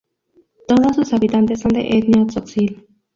Todos sus habitantes son de etnia tzotzil.